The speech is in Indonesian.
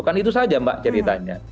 kan itu saja mbak ceritanya